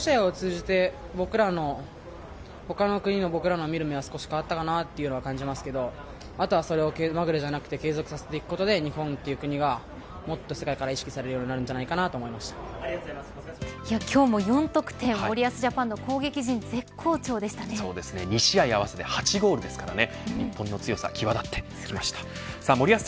この２試合を通じて他の国の僕らの見る目は少し変わったのかなという感じはしますけど、あとはそれをまぐれではなくて継続させていくことで日本という国がもっと世界から意識されるように今日も４得点、森保ジャパンの２試合合わせて８ゴールですからね。